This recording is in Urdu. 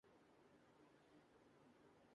مودی کے ساتھ کیا یہ ممکن ہوگا؟